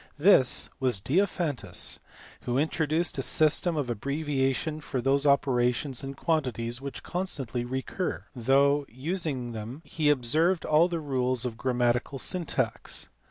This was Diophantus who introduced a system of abbreviations for those operations and quantities which constantly recur, though in using them he observed all the rules of grammatical syntax.